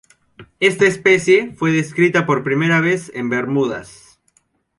Esta especie fue descrita por primera vez en Bermudas.